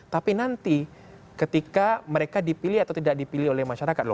tapi nanti ketika mereka dipilih atau tidak dipilih oleh masyarakat loh